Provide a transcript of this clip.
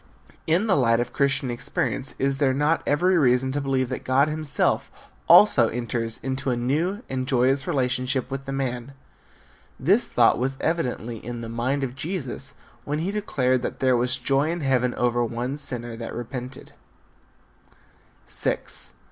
In the light of Christian experience is there not every reason to believe that God himself also enters into a new and joyous relationship with the man? This thought was evidently in the mind of Jesus when be declared that there was joy in heaven over one sinner that repented.